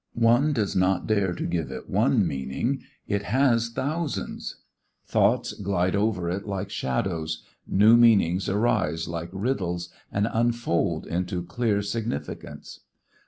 One does not dare to give it one meaning, it has thousands. Thoughts glide over it like shadows, new meanings arise like riddles and unfold into clear significance.